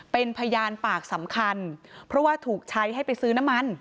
เป็นพยานปากสำคัญเพราะว่าถูกใช้ให้ไปซื้อน้ำมัน